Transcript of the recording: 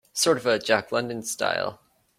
Sort of a Jack London style?